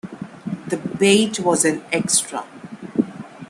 The bait was an extra.